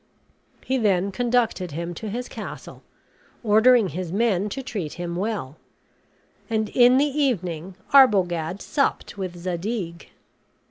He then conducted him to his castle, ordering his men to treat him well; and in the evening Arbogad supped with Zadig.